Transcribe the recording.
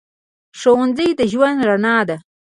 ښوونځی د ژوند رڼا ده